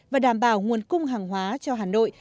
và đảm bảo nguồn cung hàng hóa cho hà nội